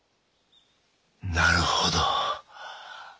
なるほど。